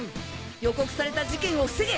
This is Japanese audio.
予告された事件を防げ！